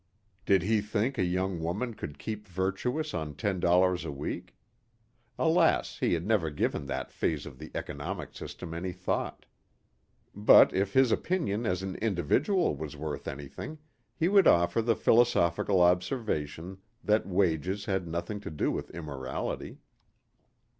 Did he think a young woman could keep virtuous on $10 a week? Alas, he had never given that phase of the economic system any thought. But if his opinion as an individual was worth anything, he would offer the philosophical observation that wages had nothing to do with immorality.